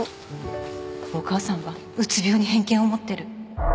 お母さんはうつ病に偏見を持ってる